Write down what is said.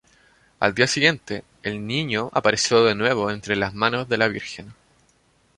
Al día siguiente, el Niño apareció de nuevo entre las manos de la Virgen.